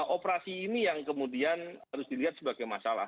operasi ini yang kemudian harus dilihat sebagai masalah